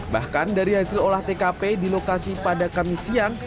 bahkan dari hasil olah tkp di lokasi pada kamis siang